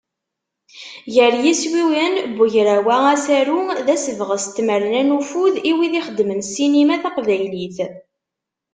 Gar yiswiyen n ugraw-a Asaru, d asebɣes d tmerna n ufud i wid ixeddmen ssinima taqbaylit.